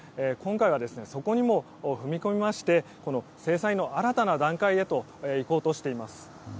今回は、そこにも踏み込みまして制裁の新たな段階へといこうとしています。